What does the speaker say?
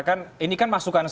kalau itu masukan